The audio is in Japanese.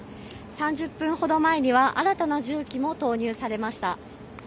３０分ほど前には新たな重機も投入されました。